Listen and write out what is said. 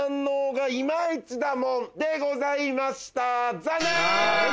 残念！